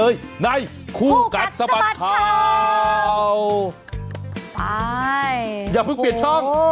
อย่าเพิ่งเปลี่ยนช่อง